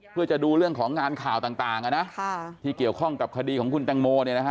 เพื่อจะดูเรื่องของงานข่าวต่างที่เกี่ยวข้องกับคดีของคุณแตงโม